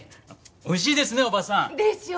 美味しいですね叔母さん。でしょ？